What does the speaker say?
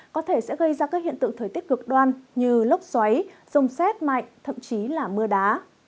có thể sẽ gây ra các hiện tượng thời tiết cực đoan như lốc xoáy rông xét mạnh thậm chí là mưa đá